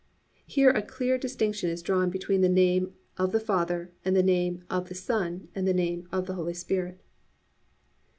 "+ _Here a clear distinction is drawn between the name "of the Father," and the name "of the Son," and the name "of the Holy Spirit."